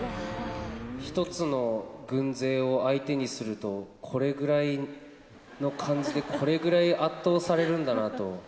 一つの軍勢を相手にすると、これぐらいの感じで、これぐらい圧倒されるんだなと。